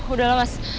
udah lah mas